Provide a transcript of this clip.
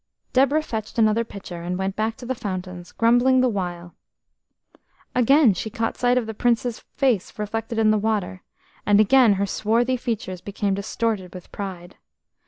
Deborah fetched another pitcher and went back to the fountains, grumbling the while. Again she caught sight of the Princess's face reflected in the water, and again her swarthy features became distorted with pride.